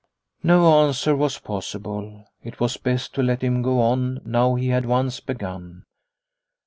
No answer was possible. It was best to let him go on, now he had once begun.